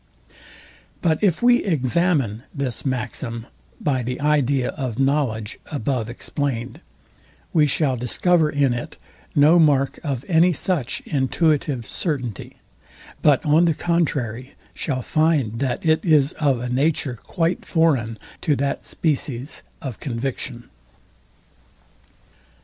But if we examine this maxim by the idea of knowledge above explained, we shall discover in it no mark of any such intuitive certainty; but on the contrary shall find, that it is of a nature quite foreign to that species of conviction.